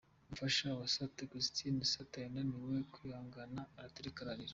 Umufasha wa Sata, Christine Sata, yananiwe kwihangana araturika ararira.